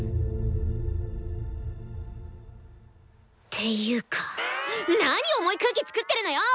ていうかなに重い空気作ってるのよ！